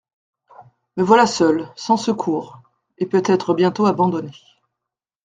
Me voilà seule, sans secours… et peut-être bientôt abandonnée.